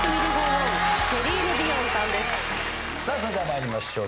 それでは参りましょう。